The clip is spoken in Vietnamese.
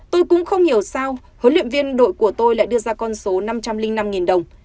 tôi cũng không hiểu sao huấn luyện viên đội của tôi lại đưa ra con số năm trăm linh năm đồng